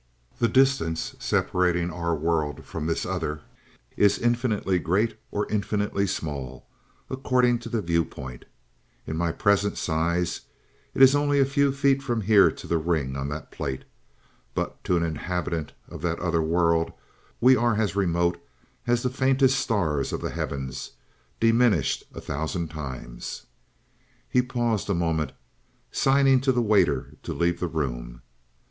The distance separating our world from this other is infinitely great or infinitely small, according to the viewpoint. In my present size it is only a few feet from here to the ring on that plate. But to an inhabitant of that other world, we are as remote as the faintest stars of the heavens, diminished a thousand times." He paused a moment, signing the waiter to leave the room.